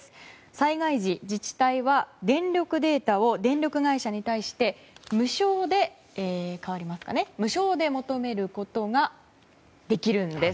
災害時、自治体は電力データを電力会社に対して無償で求めることができるんです。